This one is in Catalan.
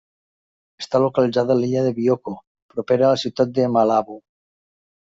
Està localitzada a l'illa de Bioko, propera a la ciutat de Malabo.